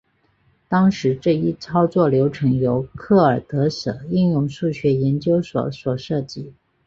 当时这一操作流程由克尔德什应用数学研究所所设计。